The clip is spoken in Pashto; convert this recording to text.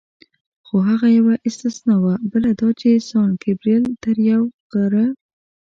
خو هغه یوه استثنا وه، بله دا چې سان ګبرېل تر یو غره.